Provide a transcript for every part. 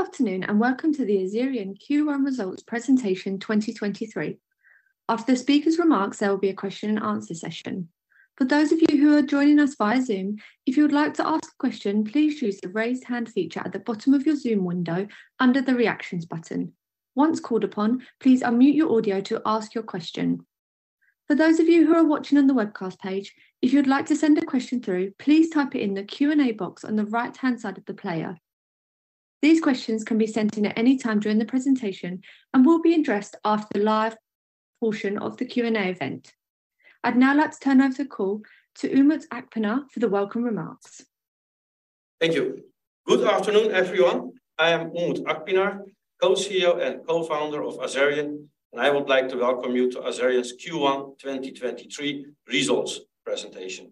Good afternoon, and welcome to the Azerion Q1 results presentation 2023. After the speaker's remarks, there will be a question and answer session. For those of you who are joining us via Zoom, if you would like to ask a question, please use the Raise Hand feature at the bottom of your Zoom window under the Reactions button. Once called upon, please unmute your audio to ask your question. For those of you who are watching on the webcast page, if you'd like to send a question through, please type it in the Q&A box on the right-hand side of the player. These questions can be sent in at any time during the presentation and will be addressed after the live portion of the Q&A event. I'd now like to turn over the call to Umut Akpinar for the welcome remarks. Thank you. Good afternoon, everyone. I am Umut Akpinar, Co-CEO, and co-founder of Azerion. I would like to welcome you to Azerion's Q1 2023 results presentation.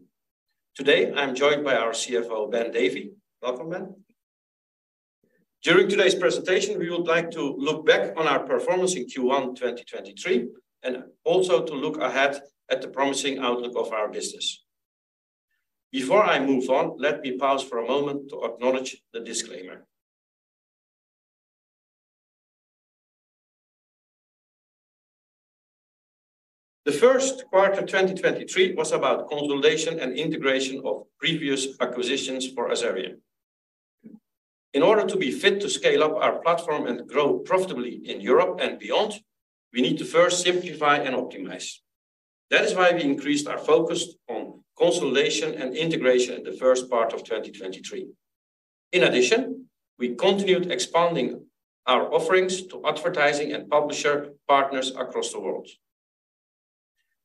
Today, I'm joined by our CFO, Ben Davey. Welcome, Ben. During today's presentation, we would like to look back on our performance in Q1 2023, and also to look ahead at the promising outlook of our business. Before I move on, let me pause for a moment to acknowledge the disclaimer. The first quarter of 2023 was about consolidation and integration of previous acquisitions for Azerion. In order to be fit to scale up our platform and grow profitably in Europe and beyond, we need to first simplify and optimize. That is why we increased our focus on consolidation and integration in the first part of 2023. In addition, we continued expanding our offerings to advertising and publisher partners across the world.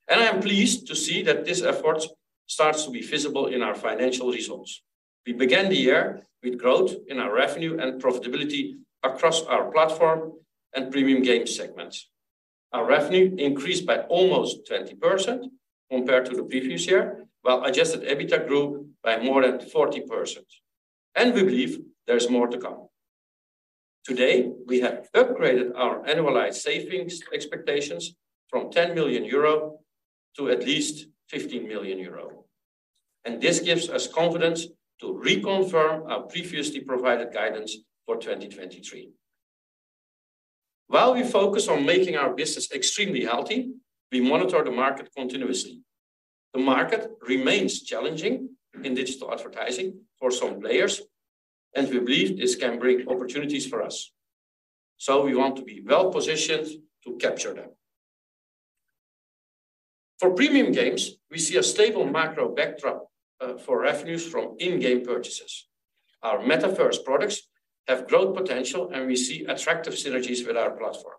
I am pleased to see that this effort starts to be visible in our financial results. We began the year with growth in our revenue and profitability across our Platform and Premium Games segments. Our revenue increased by almost 20% compared to the previous year, while adjusted EBITDA grew by more than 40%, and we believe there is more to come. Today, we have upgraded our annualized savings expectations from 10 million euro to at least 15 million euro, and this gives us confidence to reconfirm our previously provided guidance for 2023. While we focus on making our business extremely healthy, we monitor the market continuously. The market remains challenging in digital advertising for some players, we believe this can bring opportunities for us, we want to be well-positioned to capture them. For Premium Games, we see a stable macro backdrop for revenues from in-game purchases. Our Metaverse products have growth potential, we see attractive synergies with our platform.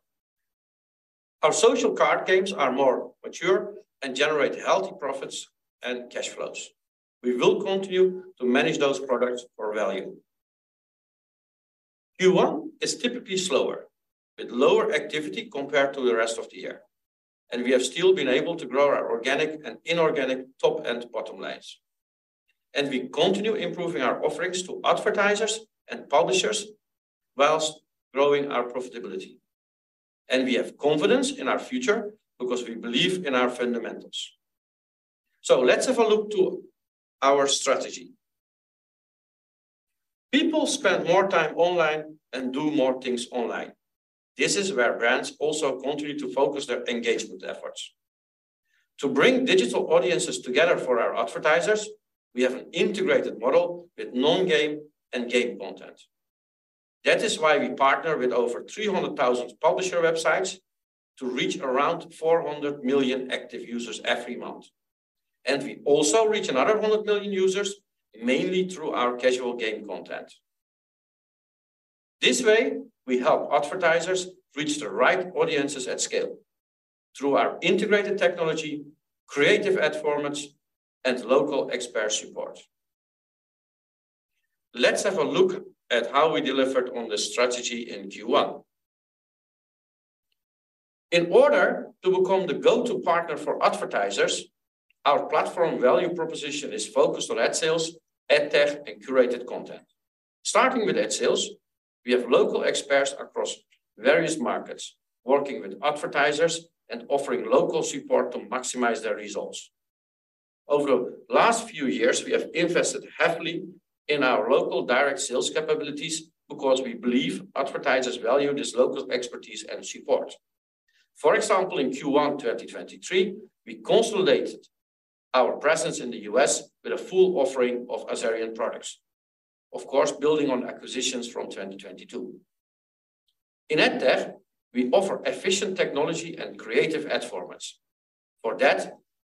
Our social card games are more mature and generate healthy profits and cash flows. We will continue to manage those products for value. Q1 is typically slower, with lower activity compared to the rest of the year, we have still been able to grow our organic and inorganic top and bottom lines. We continue improving our offerings to advertisers and publishers while growing our profitability. We have confidence in our future because we believe in our fundamentals. Let's have a look to our strategy. People spend more time online and do more things online. This is where brands also continue to focus their engagement efforts. To bring digital audiences together for our advertisers, we have an integrated model with non-game and game content. That is why we partner with over 300,000 publisher websites to reach around 400 million active users every month. We also reach another 100 million users, mainly through our casual game content. This way, we help advertisers reach the right audiences at scale through our integrated technology, creative ad formats, and local expert support. Let's have a look at how we delivered on this strategy in Q1. In order to become the go-to partner for advertisers, our platform value proposition is focused on ad sales, ad tech, and curated content. Starting with ad sales, we have local experts across various markets working with advertisers and offering local support to maximize their results. Over the last few years, we have invested heavily in our local direct sales capabilities because we believe advertisers value this local expertise and support. For example, in Q1 2023, we consolidated our presence in the U.S. with a full offering of Azerion products. Of course, building on acquisitions from 2022. In ad tech, we offer efficient technology and creative ad formats.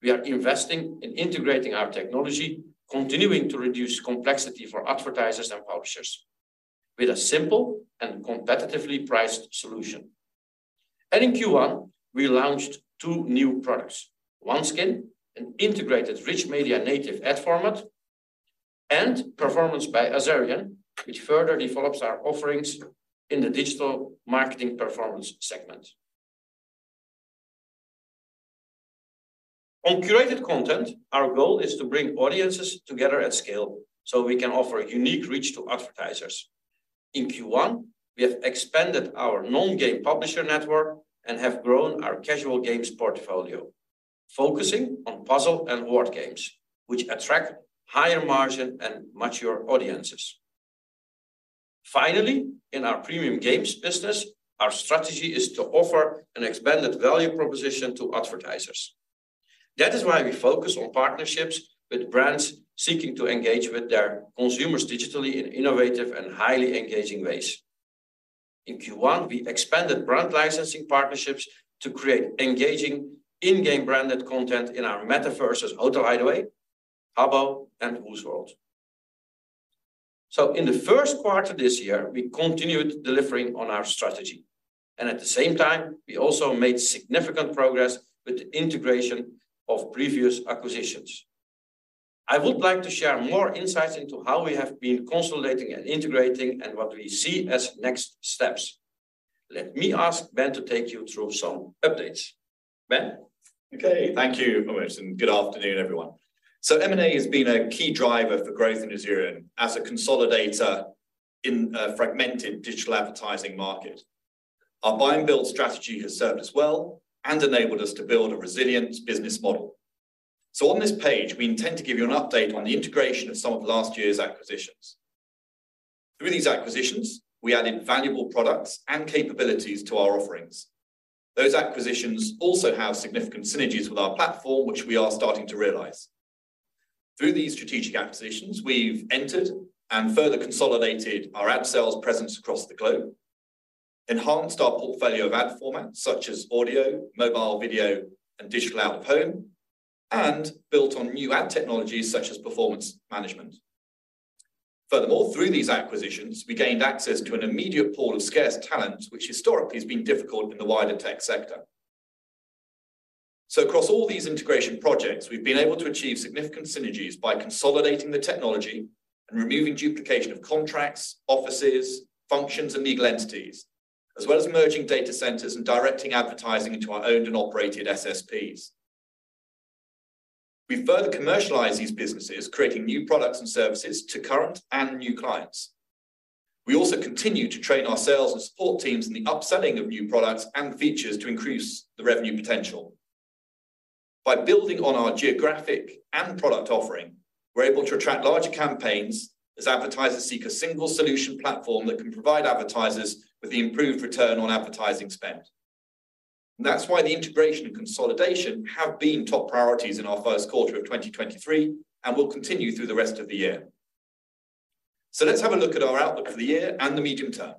We are investing in integrating our technology, continuing to reduce complexity for advertisers and publishers, with a simple and competitively priced solution. In Q1, we launched two new products: Oneskin, an integrated rich media native ad format, and Performance by Azerion, which further develops our offerings in the digital marketing performance segment. On curated content, our goal is to bring audiences together at scale so we can offer unique reach to advertisers. In Q1, we have expanded our non-game publisher network and have grown our casual games portfolio, focusing on puzzle and word games, which attract higher margin and mature audiences. Finally, in our Premium Games business, our strategy is to offer an expanded value proposition to advertisers. That is why we focus on partnerships with brands seeking to engage with their consumers digitally in innovative and highly engaging ways. In Q1, we expanded brand licensing partnerships to create engaging in-game branded content in our metaverses Hotel Hideaway, Habbo, and Woozworld. In the first quarter this year, we continued delivering on our strategy, and at the same time, we also made significant progress with the integration of previous acquisitions. I would like to share more insights into how we have been consolidating and integrating, and what we see as next steps. Let me ask Ben to take you through some updates. Ben? Thank you, Umut, good afternoon, everyone. M&A has been a key driver for growth in Azerion as a consolidator in a fragmented digital advertising market. Our buy and build strategy has served us well and enabled us to build a resilient business model. On this page, we intend to give you an update on the integration of some of last year's acquisitions. Through these acquisitions, we added valuable products and capabilities to our offerings. Those acquisitions also have significant synergies with our platform, which we are starting to realize. Through these strategic acquisitions, we've entered and further consolidated our ad sales presence across the globe, enhanced our portfolio of ad formats, such as audio, mobile video, and digital-out-of-home, and built on new ad technologies, such as performance management. Furthermore, through these acquisitions, we gained access to an immediate pool of scarce talent, which historically has been difficult in the wider tech sector. Across all these integration projects, we've been able to achieve significant synergies by consolidating the technology and removing duplication of contracts, offices, functions, and legal entities, as well as merging data centers and directing advertising into our owned and operated SSPs. We further commercialize these businesses, creating new products and services to current and new clients. We also continue to train our sales and support teams in the upselling of new products and features to increase the revenue potential. By building on our geographic and product offering, we're able to attract larger campaigns as advertisers seek a single solution platform that can provide advertisers with the improved return on advertising spend. That's why the integration and consolidation have been top priorities in our first quarter of 2023 and will continue through the rest of the year. Let's have a look at our outlook for the year and the medium term.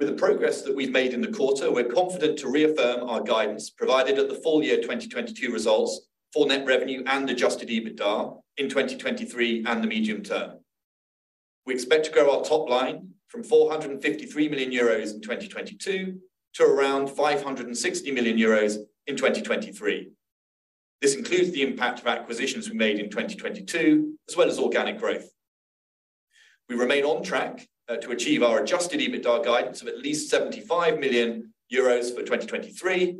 With the progress that we've made in the quarter, we're confident to reaffirm our guidance provided at the full year 2022 results for net revenue and adjusted EBITDA in 2023 and the medium term. We expect to grow our top line from 453 million euros in 2022 to around 560 million euros in 2023. This includes the impact of acquisitions we made in 2022, as well as organic growth. We remain on track to achieve our adjusted EBITDA guidance of at least 75 million euros for 2023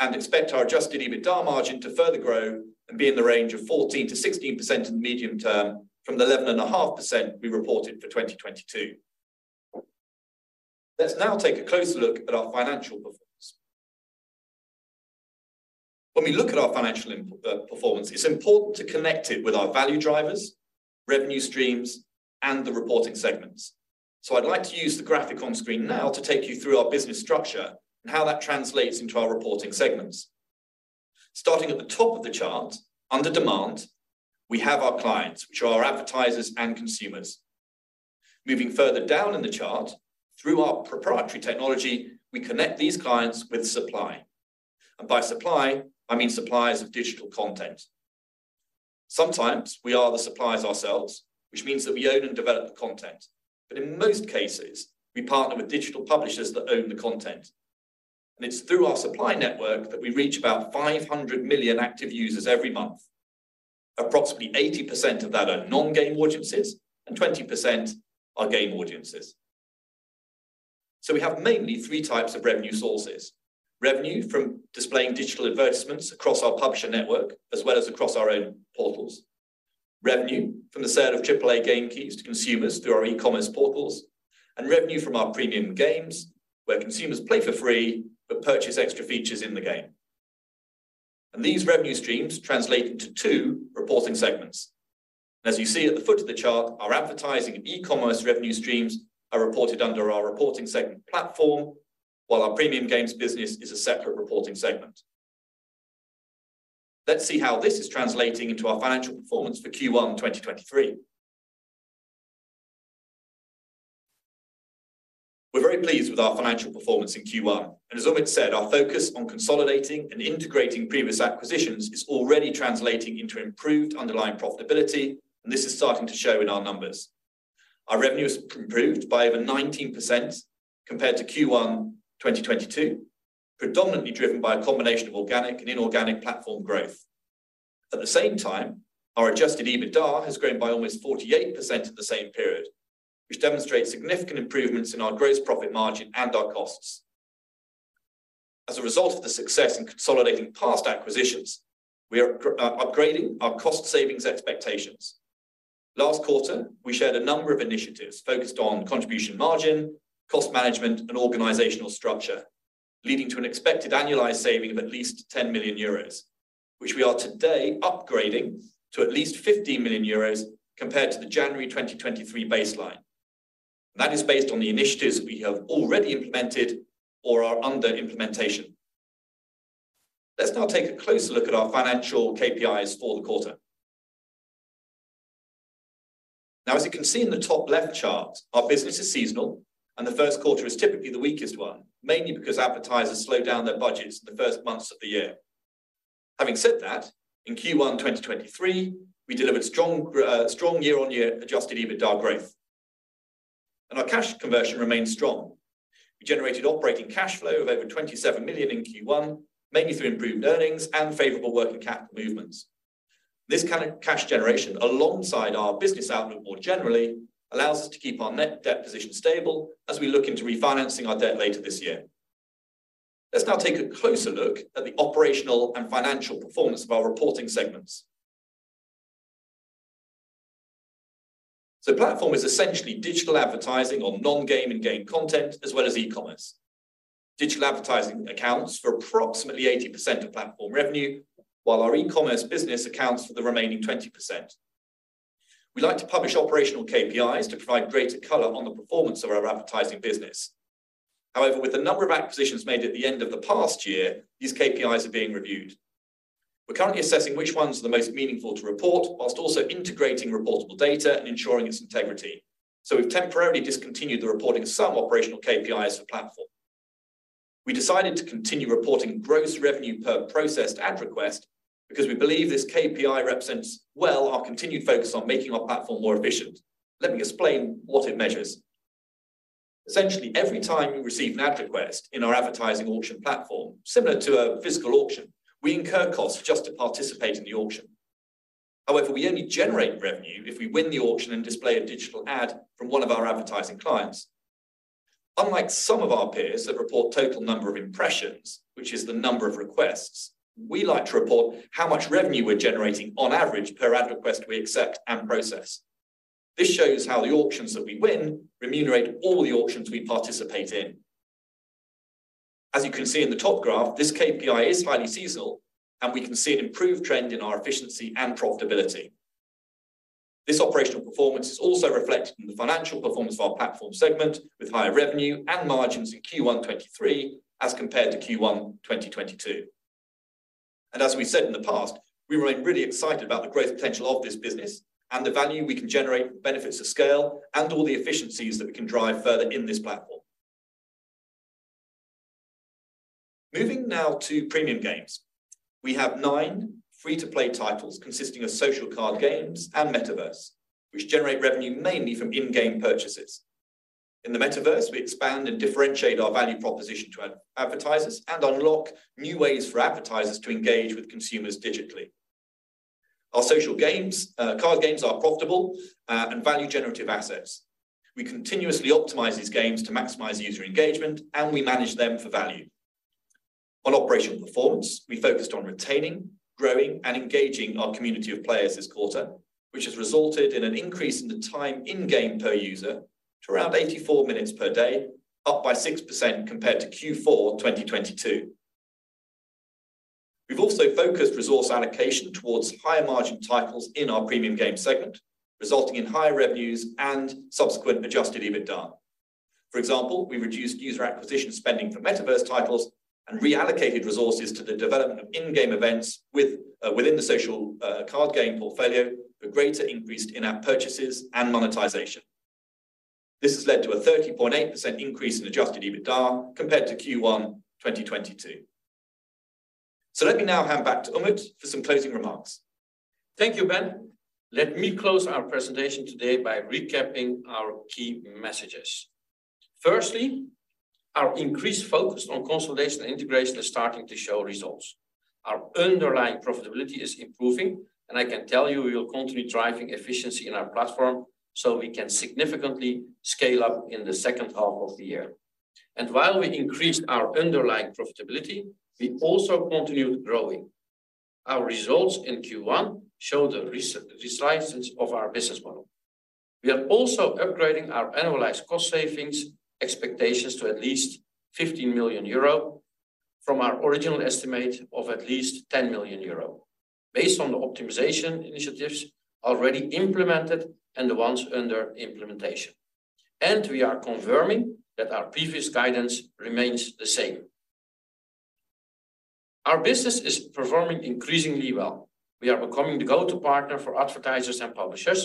and expect our adjusted EBITDA margin to further grow and be in the range of 14%-16% in the medium term from the 11.5% we reported for 2022. Let's now take a closer look at our financial performance. When we look at our financial performance, it's important to connect it with our value drivers, revenue streams, and the reporting segments. I'd like to use the graphic on screen now to take you through our business structure and how that translates into our reporting segments. Starting at the top of the chart, under demand, we have our clients, which are our advertisers and consumers. Moving further down in the chart, through our proprietary technology, we connect these clients with supply, and by supply, I mean suppliers of digital content. Sometimes we are the suppliers ourselves, which means that we own and develop the content. In most cases, we partner with digital publishers that own the content. It's through our supply network that we reach about 500 million active users every month. Approximately 80% of that are non-game audiences, and 20% are game audiences. We have mainly three types of revenue sources: revenue from displaying digital advertisements across our publisher network, as well as across our own portals. Revenue from the sale of AAA game keys to consumers through our e-commerce portals. Revenue from our Premium Games, where consumers play for free but purchase extra features in the game. These revenue streams translate into two reporting segments. As you see at the foot of the chart, our advertising and e-commerce revenue streams are reported under our reporting segment Platform, while our Premium Games business is a separate reporting segment. Let's see how this is translating into our financial performance for Q1 2023. We're very pleased with our financial performance in Q1, and as Umut said, our focus on consolidating and integrating previous acquisitions is already translating into improved underlying profitability, and this is starting to show in our numbers. Our revenue has improved by over 19% compared to Q1 2022, predominantly driven by a combination of organic and inorganic Platform growth. At the same time, our adjusted EBITDA has grown by almost 48% in the same period, which demonstrates significant improvements in our gross profit margin and our costs. As a result of the success in consolidating past acquisitions, we are upgrading our cost savings expectations. Last quarter, we shared a number of initiatives focused on contribution margin, cost management, and organizational structure, leading to an expected annualized saving of at least 10 million euros, which we are today upgrading to at least 15 million euros compared to the January 2023 baseline. That is based on the initiatives we have already implemented or are under implementation. Let's now take a closer look at our financial KPIs for the quarter. As you can see in the top left chart, our business is seasonal, and the first quarter is typically the weakest one, mainly because advertisers slow down their budgets in the first months of the year. Having said that, in Q1 2023, we delivered strong year-on-year adjusted EBITDA growth, and our cash conversion remains strong. We generated operating cash flow of over 27 million in Q1, mainly through improved earnings and favorable working capital movements. This kind of cash generation, alongside our business outlook more generally, allows us to keep our net debt position stable as we look into refinancing our debt later this year. Let's now take a closer look at the operational and financial performance of our reporting segments. Platform is essentially digital advertising on non-game and game content, as well as e-commerce. Digital advertising accounts for approximately 80% of Platform revenue, while our e-commerce business accounts for the remaining 20%. We like to publish operational KPIs to provide greater color on the performance of our advertising business. With a number of acquisitions made at the end of the past year, these KPIs are being reviewed. We're currently assessing which ones are the most meaningful to report, while also integrating reportable data and ensuring its integrity. We've temporarily discontinued the reporting of some operational KPIs for Platform. We decided to continue reporting gross revenue per processed ad request because we believe this KPI represents well our continued focus on making our platform more efficient. Let me explain what it measures. Essentially, every time we receive an ad request in our advertising auction platform, similar to a physical auction, we incur costs just to participate in the auction. We only generate revenue if we win the auction and display a digital ad from one of our advertising clients. Unlike some of our peers that report total number of impressions, which is the number of requests, we like to report how much revenue we're generating on average per ad request we accept and process. This shows how the auctions that we win remunerate all the auctions we participate in. As you can see in the top graph, this KPI is highly seasonal, and we can see an improved trend in our efficiency and profitability. This operational performance is also reflected in the financial performance of our Platform segment, with higher revenue and margins in Q1 2023 as compared to Q1 2022. As we've said in the past, we remain really excited about the growth potential of this business and the value we can generate from benefits of scale and all the efficiencies that we can drive further in this platform. Moving now to Premium Games. We have nine free-to-play titles consisting of social card games and metaverse, which generate revenue mainly from in-game purchases. In the metaverse, we expand and differentiate our value proposition to advertisers and unlock new ways for advertisers to engage with consumers digitally. Our social games, card games are profitable and value-generative assets. We continuously optimize these games to maximize user engagement, and we manage them for value. On operational performance, we focused on retaining, growing, and engaging our community of players this quarter, which has resulted in an increase in the time in-game per user to around 84 minutes per day, up by 6% compared to Q4 2022. We've also focused resource allocation towards higher-margin titles in our Premium Games segment, resulting in higher revenues and subsequent adjusted EBITDA. For example, we reduced user acquisition spending for metaverse titles and reallocated resources to the development of in-game events with within the social card game portfolio for greater increased in-app purchases and monetization. This has led to a 30.8% increase in adjusted EBITDA compared to Q1 2022. let me now hand back to Umut for some closing remarks. Thank you, Ben. Let me close our presentation today by recapping our key messages. Firstly, our increased focus on consolidation and integration is starting to show results. Our underlying profitability is improving, and I can tell you we will continue driving efficiency in our platform, so we can significantly scale up in the second half of the year. While we increased our underlying profitability, we also continued growing. Our results in Q1 show the resilience of our business model. We are also upgrading our annualized cost savings expectations to at least 50 million euro from our original estimate of at least 10 million euro, based on the optimization initiatives already implemented and the ones under implementation. We are confirming that our previous guidance remains the same. Our business is performing increasingly well. We are becoming the go-to partner for advertisers and publishers.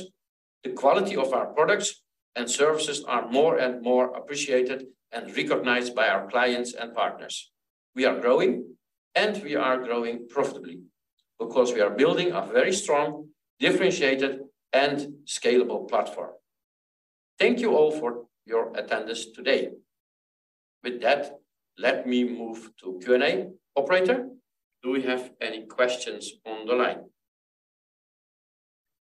The quality of our products and services are more and more appreciated and recognized by our clients and partners. We are growing, and we are growing profitably because we are building a very strong, differentiated, and scalable platform. Thank you all for your attendance today. With that, let me move to Q&A. Operator, do we have any questions on the line?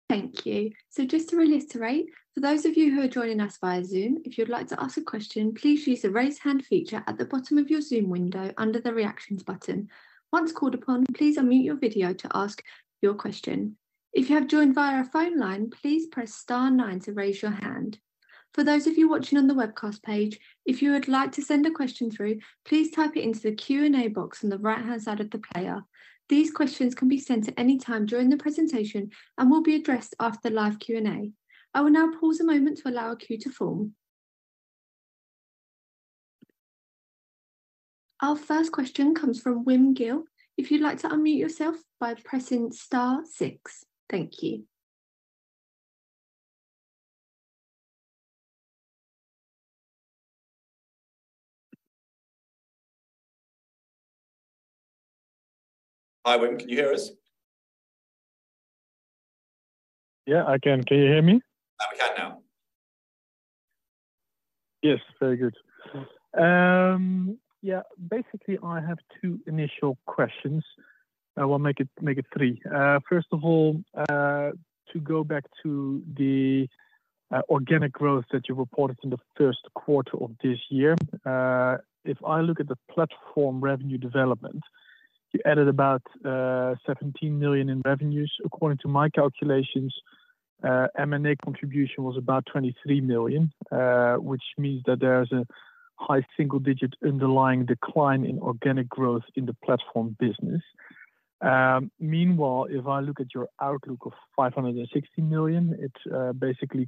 Thank you. Just to reiterate, for those of you who are joining us via Zoom, if you'd like to ask a question, please use the Raise Hand feature at the bottom of your Zoom window under the Reactions button. Once called upon, please unmute your video to ask your question. If you have joined via a phone line, please press star nine to raise your hand. For those of you watching on the webcast page, if you would like to send a question through, please type it into the Q&A box on the right-hand side of the player. These questions can be sent at any time during the presentation and will be addressed after the live Q&A. I will now pause a moment to allow a queue to form. Our first question comes from Wim Gille. If you'd like to unmute yourself by pressing star six. Thank you. Hi, Wim, can you hear us? Yeah, I can. Can you hear me? We can now. Yes, very good. Yeah, basically, I have two initial questions. We'll make it three. First of all, to go back to the organic growth that you reported in the first quarter of this year. If I look at the Platform revenue development, you added about 17 million in revenues. According to my calculations, M&A contribution was about 23 million, which means that there is a high single-digit underlying decline in organic growth in the Platform business. Meanwhile, if I look at your outlook of 560 million, it basically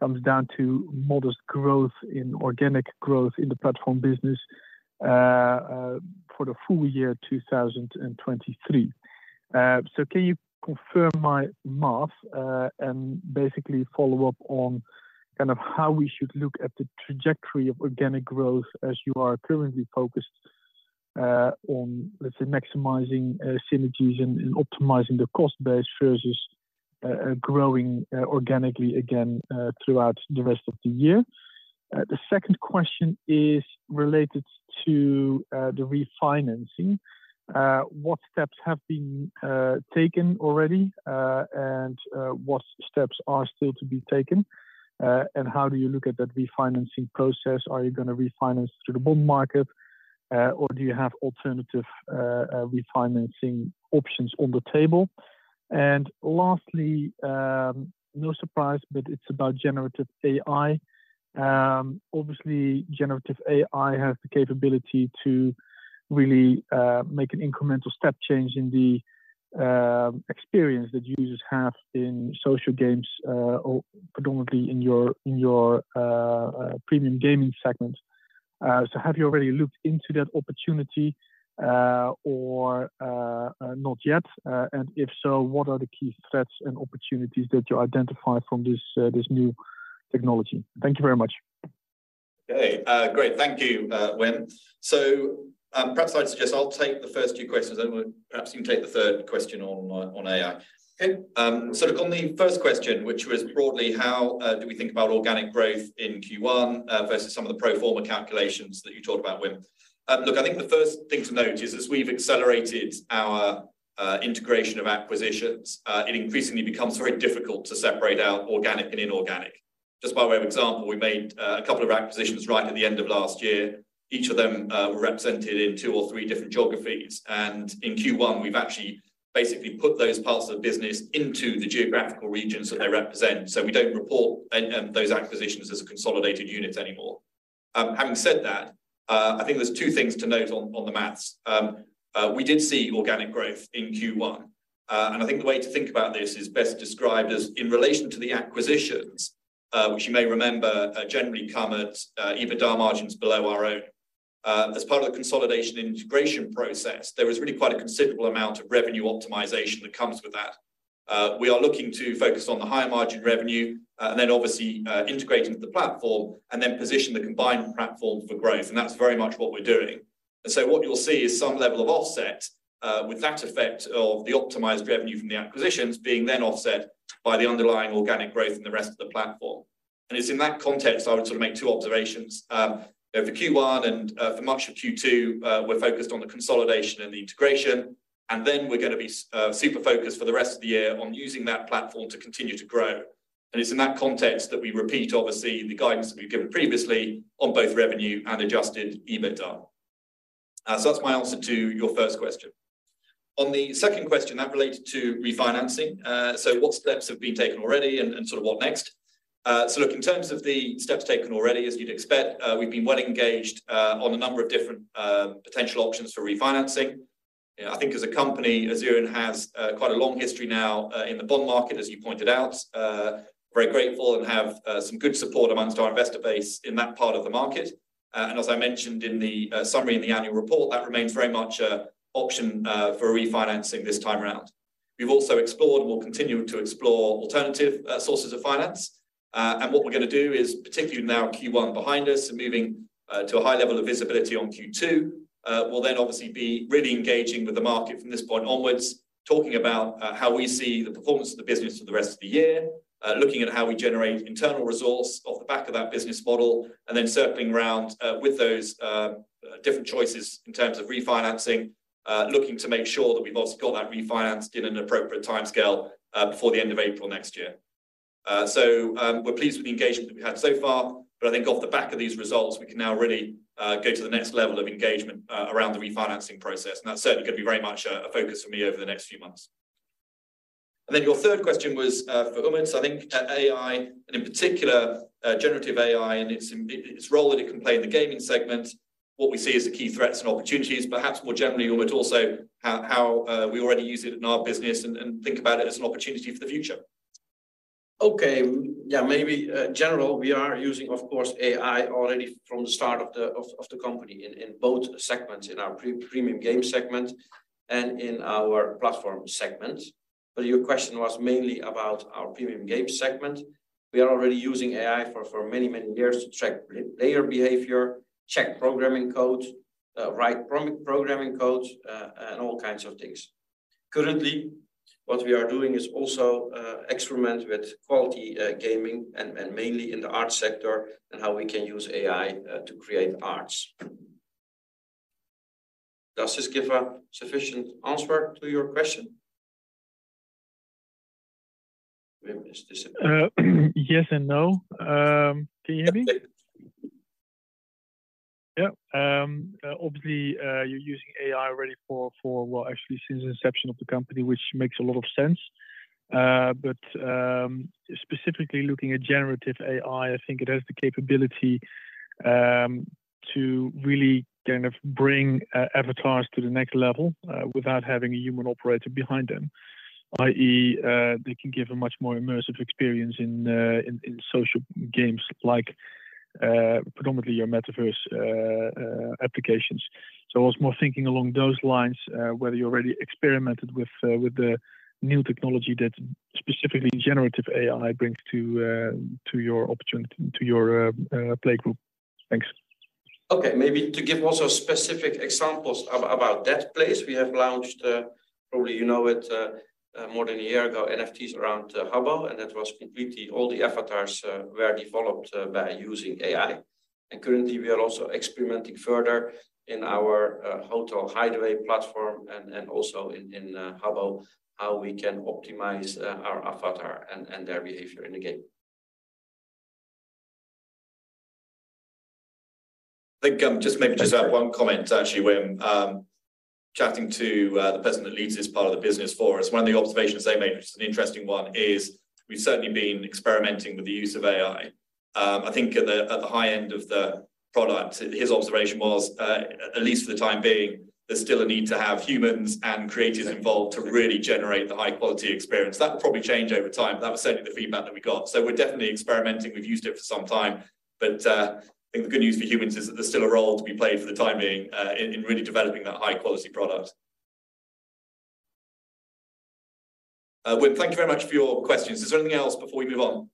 comes down to modest growth in organic growth in the Platform business for the full year 2023. Can you confirm my math and basically follow up on kind of how we should look at the trajectory of organic growth as you are currently focused on, let's say, maximizing synergies and optimizing the cost base versus growing organically again throughout the rest of the year? The second question is related to the refinancing. What steps have been taken already and what steps are still to be taken and how do you look at that refinancing process? Are you gonna refinance through the bond market or do you have alternative refinancing options on the table? Lastly, no surprise, but it's about generative AI. Obviously, generative AI has the capability to really make an incremental step change in the experience that users have in social games, or predominantly in your, in your premium gaming segment. Have you already looked into that opportunity, or not yet? If so, what are the key threats and opportunities that you identify from this new technology? Thank you very much. Okay, great. Thank you, Wim. Perhaps I'd suggest I'll take the first two questions, and perhaps you can take the third question on AI. Okay. Look, on the first question, which was broadly how do we think about organic growth in Q1 versus some of the pro forma calculations that you talked about, Wim. Look, I think the first thing to note is, as we've accelerated our integration of acquisitions, it increasingly becomes very difficult to separate out organic and inorganic. Just by way of example, we made a couple of acquisitions right at the end of last year. Each of them were represented in two or three different geographies, and in Q1, we've actually basically put those parts of the business into the geographical regions that they represent, so we don't report those acquisitions as a consolidated unit anymore. Having said that, I think there's two things to note on the math. We did see organic growth in Q1, and I think the way to think about this is best described as in relation to the acquisitions, which you may remember, generally come at EBITDA margins below our own. As part of the consolidation and integration process, there is really quite a considerable amount of revenue optimization that comes with that. We are looking to focus on the higher margin revenue, and then obviously, integrating with the platform, and then position the combined platform for growth, and that's very much what we're doing. What you'll see is some level of offset, with that effect of the optimized revenue from the acquisitions being then offset by the underlying organic growth in the rest of the platform. It's in that context, I would sort of make two observations. Over Q1 and for much of Q2, we're focused on the consolidation and the integration, and then we're gonna be super focused for the rest of the year on using that platform to continue to grow. It's in that context that we repeat, obviously, the guidance that we've given previously on both revenue and adjusted EBITDA. That's my answer to your first question. On the second question, that related to refinancing, what steps have been taken already and sort of what next? Look, in terms of the steps taken already, as you'd expect, we've been well engaged on a number of different potential options for refinancing. Yeah, I think as a company, Azerion has quite a long history now in the bond market, as you pointed out. Very grateful and have some good support amongst our investor base in that part of the market. As I mentioned in the summary in the annual report, that remains very much a option for refinancing this time around. We've also explored and will continue to explore alternative sources of finance. What we're gonna do is, particularly now Q1 behind us and moving to a high level of visibility on Q2, we'll then obviously be really engaging with the market from this point onwards, talking about how we see the performance of the business for the rest of the year. Looking at how we generate internal resource off the back of that business model, and then circling around with those different choices in terms of refinancing. Looking to make sure that we've also got that refinanced in an appropriate timescale before the end of April next year. We're pleased with the engagement that we've had so far, but I think off the back of these results, we can now really go to the next level of engagement around the refinancing process, and that's certainly gonna be very much a focus for me over the next few months. Your third question was for Umut. I think AI, and in particular, generative AI and its role that it can play in the gaming segment, what we see as the key threats and opportunities, perhaps more generally, Umut, also, how we already use it in our business and think about it as an opportunity for the future. Okay. Yeah, maybe, general, we are using, of course, AI already from the start of the company in both segments, in our Premium Game segment and in our Platform segment. Your question was mainly about our Premium Game segment. We are already using AI for many years to track player behavior, check programming codes, write programming codes, and all kinds of things. Currently, what we are doing is also experiment with quality gaming and mainly in the art sector, and how we can use AI to create arts. Does this give a sufficient answer to your question, Wim? Yes and no. Can you hear me? Yeah. Obviously, you're using AI already for a while, actually, since the inception of the company, which makes a lot of sense. Specifically looking at generative AI, I think it has the capability to really kind of bring avatars to the next level without having a human operator behind them, i.e., they can give a much more immersive experience in in social games like predominantly your metaverse applications. I was more thinking along those lines, whether you already experimented with the new technology that specifically generative AI brings to your opportunity, to your play group. Thanks. Okay. Maybe to give also specific examples about that place, we have launched, probably you know it, more than a year ago, NFTs around Habbo. That was completely all the avatars were developed by using AI. Currently, we are also experimenting further in our Hotel Hideaway platform and also in Habbo, how we can optimize our avatar and their behavior in the game. I think, just maybe just to add one comment, actually, Wim. Chatting to the person that leads this part of the business for us, one of the observations they made, which is an interesting one, is we've certainly been experimenting with the use of AI. I think at the, at the high end of the product, his observation was, at least for the time being, there's still a need to have humans and creatives involved to really generate the high-quality experience. That will probably change over time, that was certainly the feedback that we got. We're definitely experimenting. We've used it for some time, I think the good news for humans is that there's still a role to be played for the time being, in really developing that high-quality product. Wim, thank you very much for your questions. Is there anything else before we move on?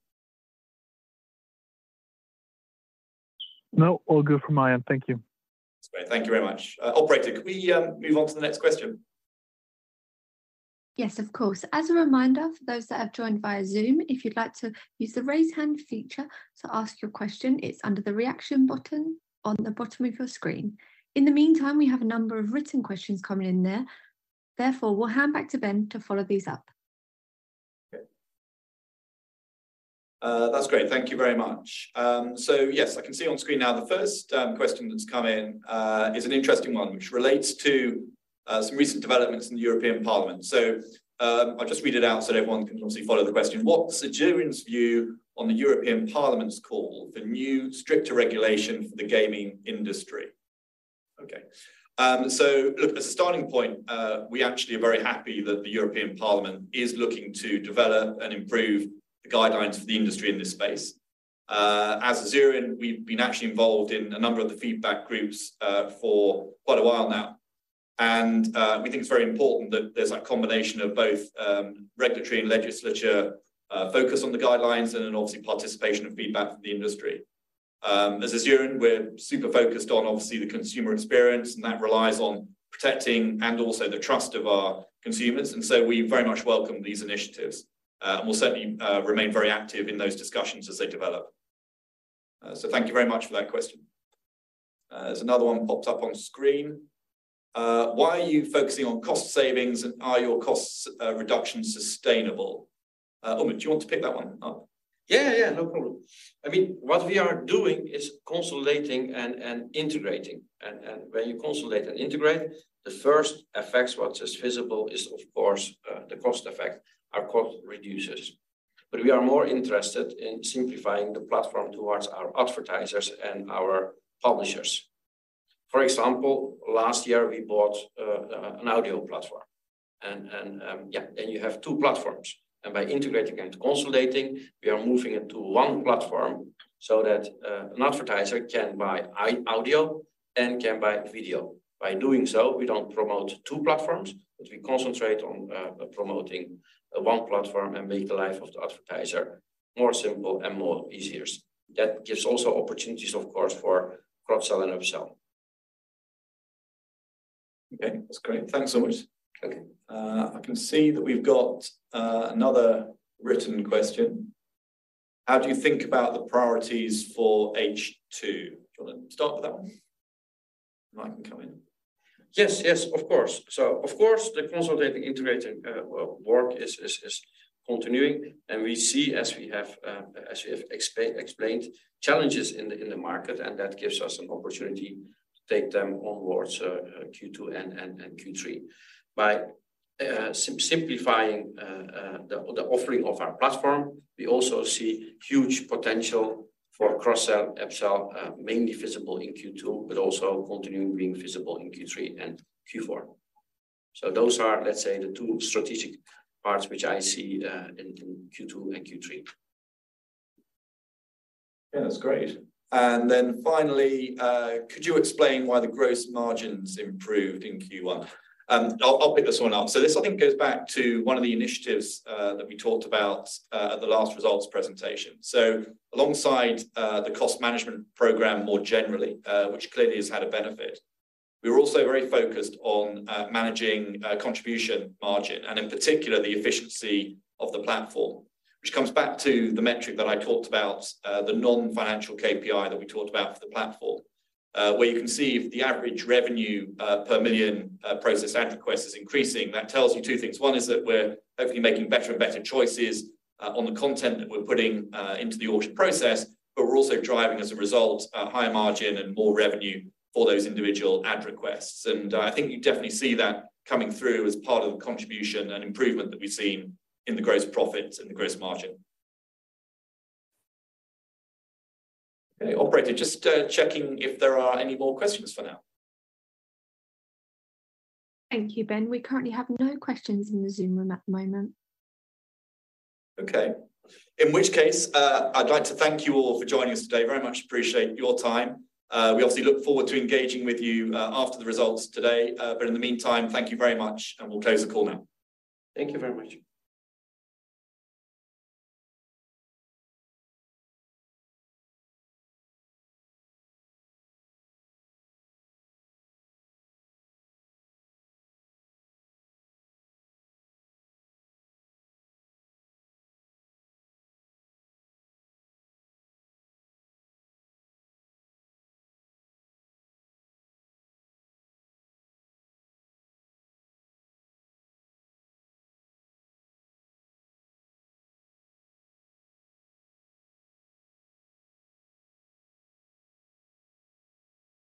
No, all good from my end. Thank you. That's great. Thank you very much. Operator, could we move on to the next question? Yes, of course. As a reminder for those that have joined via Zoom, if you'd like to use the Raise Hand feature to ask your question, it's under the Reaction button on the bottom of your screen. We have a number of written questions coming in there. We'll hand back to Ben to follow these up. Okay. That's great. Thank you very much. Yes, I can see on screen now the first question that's come in is an interesting one, which relates to some recent developments in the European Parliament. I'll just read it out so everyone can obviously follow the question: What's Azerion's view on the European Parliament's call for new, stricter regulation for the gaming industry? Okay. Look, as a starting point, we actually are very happy that the European Parliament is looking to develop and improve the guidelines for the industry in this space. As Azerion, we've been actually involved in a number of the feedback groups for quite a while now, and we think it's very important that there's a combination of both regulatory and legislature focus on the guidelines and then obviously participation and feedback from the industry. As Azerion, we're super focused on, obviously, the consumer experience, and that relies on protecting and also the trust of our consumers. We very much welcome these initiatives, and we'll certainly remain very active in those discussions as they develop. Thank you very much for that question. There's another one popped up on screen. Why are you focusing on cost savings, and are your costs reduction sustainable? Umut, do you want to pick that one up? Yeah, no problem. I mean, what we are doing is consolidating and integrating, and when you consolidate and integrate, the first effects, what is visible is of course, the cost effect. Our cost reduces. We are more interested in simplifying the platform towards our advertisers and our publishers. For example, last year, we bought an audio platform, and then you have two platforms, and by integrating and consolidating, we are moving it to one platform so that an advertiser can buy audio and can buy video. By doing so, we don't promote two platforms, but we concentrate on promoting one platform and make the life of the advertiser more simple and more easier. That gives also opportunities, of course, for cross-sell and upsell. Okay, that's great. Thanks so much. Okay. I can see that we've got another written question. How do you think about the priorities for H2? Do you want to start with that one? Well, I can come in. Yes, of course. Of course, the consolidating integrating work is continuing, and we see, as we have, as we have explained, challenges in the market, and that gives us an opportunity to take them onwards, Q2 and Q3. By simplifying the offering of our platform, we also see huge potential for cross-sell, upsell, mainly visible in Q2, but also continuing being visible in Q3 and Q4. Those are, let's say, the two strategic parts which I see, in Q2 and Q3. That's great. Finally, could you explain why the gross margins improved in Q1? I'll pick this one up. This, I think, goes back to one of the initiatives that we talked about at the last results presentation. Alongside, the cost management program more generally, which clearly has had a benefit, we're also very focused on managing contribution margin, and in particular, the efficiency of the platform, which comes back to the metric that I talked about, the non-financial KPI that we talked about for the platform. Where you can see if the Average Revenue per Million process ad request is increasing, that tells you two things. One is that we're hopefully making better and better choices, on the content that we're putting, into the auction process, but we're also driving, as a result, a higher margin and more revenue for those individual ad requests. I think you definitely see that coming through as part of the contribution and improvement that we've seen in the gross profits and the gross margin. Okay, operator, just, checking if there are any more questions for now. Thank you, Ben. We currently have no questions in the Zoom room at the moment. Okay. In which case, I'd like to thank you all for joining us today. Very much appreciate your time. We obviously look forward to engaging with you after the results today. In the meantime, thank you very much, and we'll close the call now. Thank you very much.